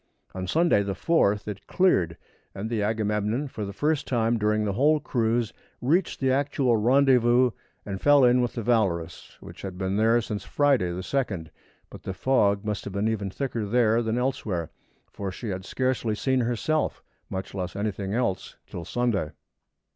On Sunday, the 4th, it cleared, and the Agamemnon for the first time during the whole cruise, reached the actual rendezvous and fell in with the Valorous, which had been there since Friday, the 2d, but the fog must have been even thicker there than elsewhere, for she had scarcely seen herself, much less anything else till Sunday.